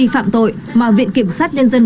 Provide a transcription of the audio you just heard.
phạm tội mà viện kiểm sát nhân dân